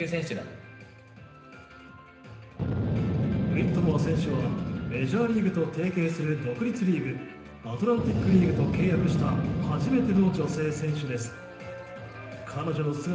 ウィットモア選手はメジャーリーグと提携する独立リーグアトランティックリーグと契約した初めての女性選手です。